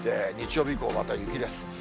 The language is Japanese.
日曜日以降、また雪です。